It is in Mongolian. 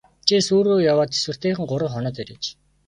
Чи суурь руу яваад тэсвэртэйхэн гурав хоноод ирээч.